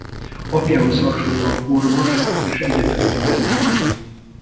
Apjához hasonlóan orvos és egyetemi tanár is volt.